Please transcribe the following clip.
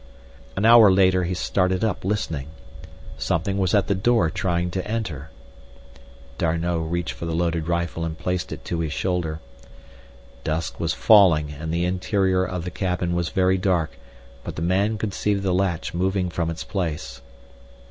An hour later he started up listening. Something was at the door trying to enter. D'Arnot reached for the loaded rifle and placed it to his shoulder. Dusk was falling, and the interior of the cabin was very dark; but the man could see the latch moving from its place.